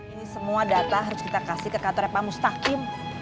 ini semua data harus kita kasih ke kantornya pak mustaqim